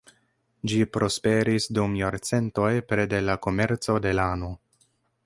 Ĝi prosperis dum jarcentoj pere de la komerco de lano.